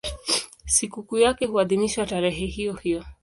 Sikukuu yake huadhimishwa tarehe hiyohiyo.